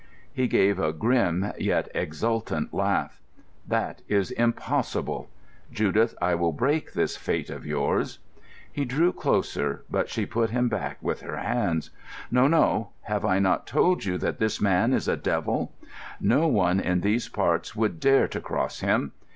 He gave a grim yet exultant laugh. "That is impossible. Judith, I will break this fate of yours." He drew closer, but she put him back with her hands. "No, no; have I not told you that this man is a devil? No one in these parts would dare to cross him.